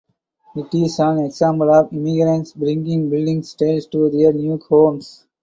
It is an example of immigrants bringing building styles to their new homes.